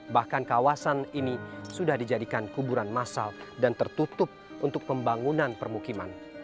bahkan kawasan ini sudah dijadikan kuburan masal dan tertutup untuk pembangunan permukiman